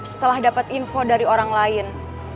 setelah dapat info dari orang lain